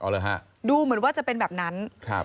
เหรอฮะดูเหมือนว่าจะเป็นแบบนั้นครับ